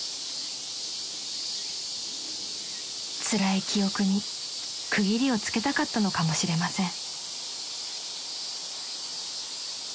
［つらい記憶に区切りをつけたかったのかもしれません］